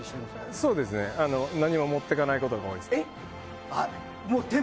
そうですね、何も持っていかないことが多いです。